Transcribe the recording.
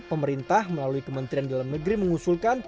pemerintah melalui kementerian dalam negeri mengusulkan